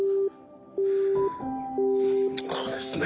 こうですね。